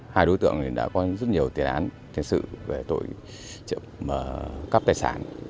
hai đối tượng đã có rất nhiều tiền án tiền sự về tội trộm cắp tài sản